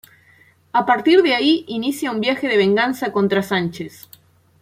A partir de ahí inicia un viaje de venganza contra Sánchez.